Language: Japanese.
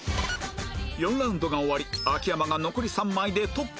４ラウンドが終わり秋山が残り３枚でトップ